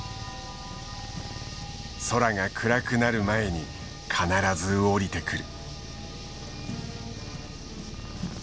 空が暗くなる前に必ず降りてくる。